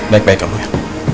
baik baik kamu ya